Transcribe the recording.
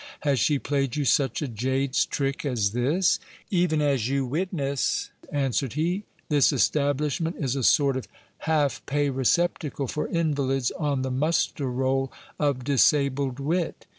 Has she played you such a jade's trick as this ? Even as you witness, answered he ; this establishment is a sort of half pay receptacle for invalids on the muster roll of disabled wit.